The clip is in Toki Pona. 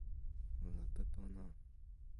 o lape pona.